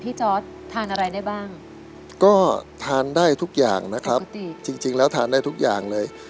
จอร์ดทานอะไรได้บ้างก็ทานได้ทุกอย่างนะครับปกติจริงจริงแล้วทานได้ทุกอย่างเลย